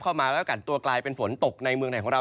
เข้ามาแล้วกันตัวกลายเป็นฝนตกในเมืองไหนของเรา